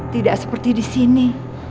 tidak seperti disini